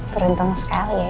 beruntung sekali ya